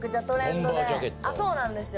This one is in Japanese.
そうなんですよ。